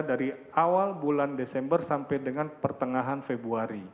dari awal bulan desember sampai dengan pertengahan februari